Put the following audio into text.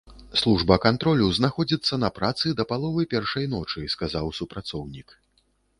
Служба кантролю знаходзіцца на працы да паловы першай ночы, сказаў супрацоўнік.